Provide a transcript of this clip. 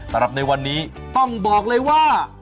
สำหรับในวันนี้ต้องบอกเลยว่า